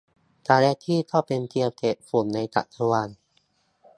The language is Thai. กาแลกซี่ก็เป็นเพียงเศษฝุ่นในจักรวาล